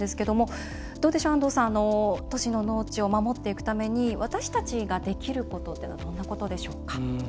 都市の農地を守っていくために私たちができることってどんなことでしょうか？